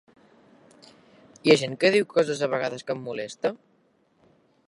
Hi ha gent que diu coses a vegades que em molesta?